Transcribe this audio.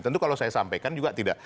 tentu kalau saya sampaikan juga tidak